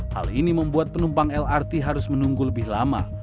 hal ini membuat penumpang lrt harus menunggu lebih lama